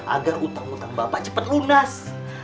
agar utang utang bapak cepat lunas